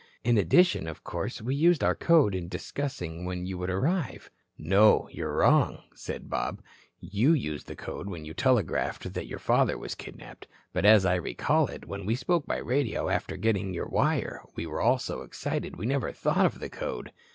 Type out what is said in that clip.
In addition, of course, we used our code in discussing when you would arrive." "No, you're wrong," said Bob. "You used the code when you telegraphed that your father was kidnapped. But, as I recall it, when we spoke by radio after getting your wire, we all were so excited we never thought of the code."